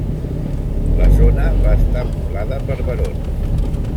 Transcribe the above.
La zona va estar poblada per berons.